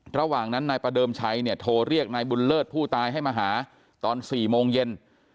ระหว่างนั้นนายประเดิมชัยเนี่ยโทรเรียกนายบุญเลิศผู้ตายให้มาหาตอน๔โมงเย็น